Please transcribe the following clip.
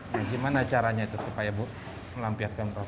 nah gimana caranya itu supaya melampiaskan rindu